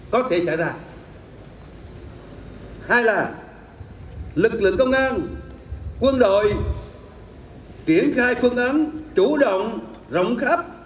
có thể xảy ra hai là lực lượng công an quân đội triển khai phương án chủ động rộng khắp